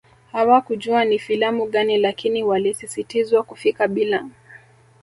Hawakujua ni filamu gani lakini walisisitizwa kufika bila